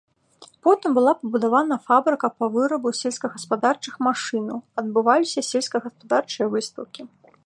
Потым была пабудавана фабрыка па вырабу сельскагаспадарчых машынаў, адбываліся сельскагаспадарчыя выстаўкі.